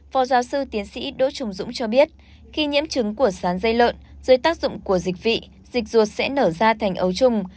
phó giáo sư tiến sĩ đỗ trung dũng cho biết khi nhiễm chứng của sán dây lợn dưới tác dụng của dịch vị dịch ruột sẽ nở ra thành ấu trùng